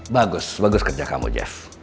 bagus bagus kerja kamu jeff